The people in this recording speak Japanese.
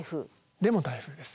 でも台風です。